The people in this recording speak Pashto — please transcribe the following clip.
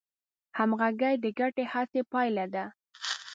همغږي د ګډې هڅې پایله ده.